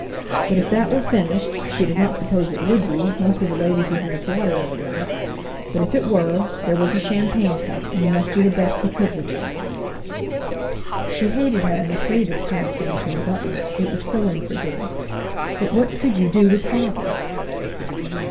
But if that were finished (she did not suppose it would be, most of the ladies would drink water, no doubt), but if it were, there was the champagne cup, and he must do the best he could with that. She hated having to say this sort of thing to a butler, it was so infra dig.; but what could you do with father?